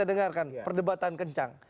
kita dengarkan perdebatan kencang